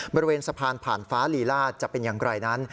บริเวณสะพานผ่านฟ้าลีลาดจะเป็นอย่างไรนั้น